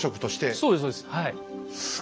そうですそうです。